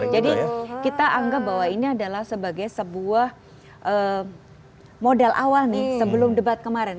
jadi kita anggap bahwa ini adalah sebagai sebuah model awal nih sebelum debat kemarin